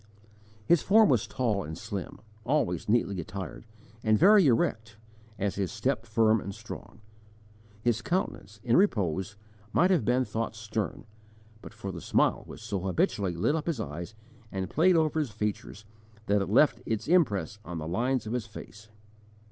His form was tall and slim, always neatly attired, and very erect, and his step firm and strong. His countenance, in repose, might have been thought stern, but for the smile which so habitually lit up his eyes and played over his features that it left its impress on the lines of his face.